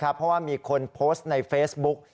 เพราะว่ามีคนโพสต์ในเฟซบุ๊ก